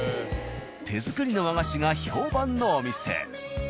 手作りの和菓子が評判のお店。